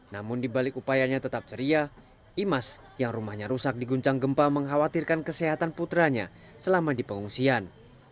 namun dibalik upayanya tetap ceria imas yang rumahnya rusak diguncang gempa mengkhawatirkan kesehatan putranya selama di pengungsian